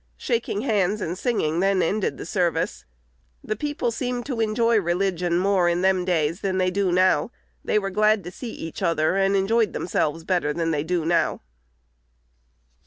Shaking hands and singing then ended the service. The people seemed to enjoy religion more in them days than they do now. They were glad to see each other, and enjoyed themselves better than they do now."